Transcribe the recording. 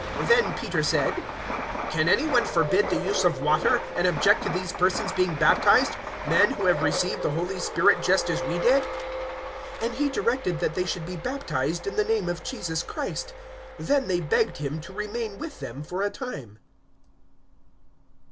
Then Peter said, 010:047 "Can any one forbid the use of water, and object to these persons being baptized men who have received the Holy Spirit just as we did?" 010:048 And he directed that they should be baptized in the name of Jesus Christ. Then they begged him to remain with them for a time.